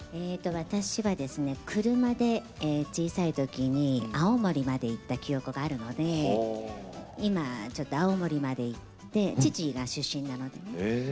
私は車で小さいときに青森まで行った記憶があるので今、青森まで行って父親の出身なのでね。